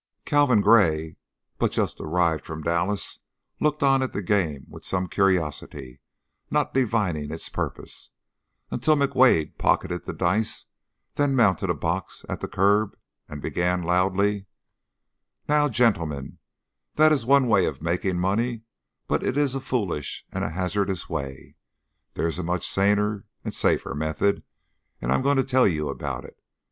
Calvin Gray, but just arrived from Dallas, looked on at the game with some curiosity, not divining its purpose, until McWade pocketed the dice, then mounted a box at the curb and began, loudly: "Now, gentlemen, that is one way of making money, but it is a foolish and a hazardous way. There is a much saner, safer method, and I'm going to tell you about it.